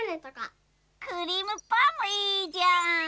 クリームパンもいいじゃーん。